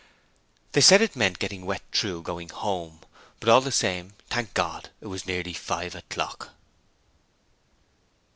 They said it meant getting wet through going home, but all the same, Thank God it was nearly five o'clock!